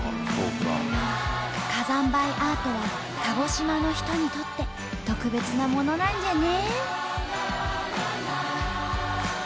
火山灰アートは鹿児島の人にとって特別なものなんじゃね。